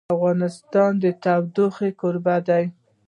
افغانستان د تودوخه کوربه دی.